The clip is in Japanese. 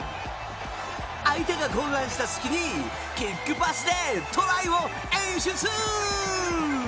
相手が混乱した隙にキックパスでトライを演出！